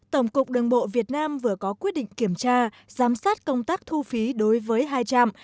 tổng cục đường bộ việt nam vừa có quyết định kiểm tra giám sát công tác thu phí đối với hai trạm